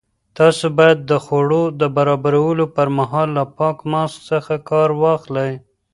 تاسو باید د خوړو د برابرولو پر مهال له پاک ماسک څخه کار واخلئ.